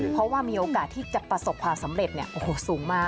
เพราะว่ามีโอกาสที่จะประสบความสำเร็จสูงมาก